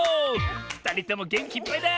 ふたりともげんきいっぱいだ！